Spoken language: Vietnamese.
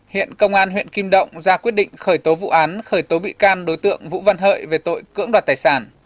hiện công an huyện kim động ra quyết định khởi tố vụ án khởi tố bị can đối tượng vũ văn hợi về tội cưỡng đoạt tài sản